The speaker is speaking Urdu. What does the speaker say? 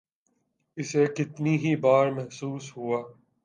اسے کتنی ہی بار محسوس ہوا۔